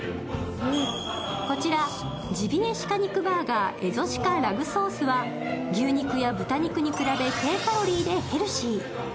こちら、ジビエ鹿肉バーガーエゾ鹿ラグーソースは、牛肉や豚肉に比べて低カロリーでヘルシー。